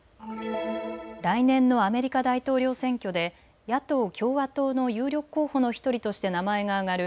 来年のアメリカ大統領選挙で野党・共和党の有力候補の１人として名前が挙がる